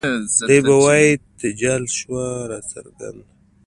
دے به وائي تجال شوه راڅرګنده